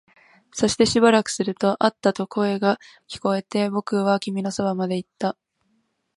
そしてしばらくすると、あったと声が聞こえて、僕は君のそばまで行った